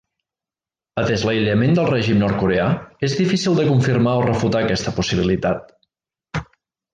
Atès l'aïllament del règim nord-coreà, és difícil de confirmar o refutar aquesta possibilitat.